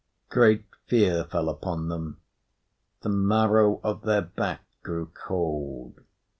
Great fear fell upon them; the marrow of their back grew cold.